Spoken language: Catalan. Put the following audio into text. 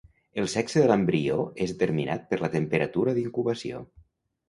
El sexe de l'embrió és determinat per la temperatura d'incubació.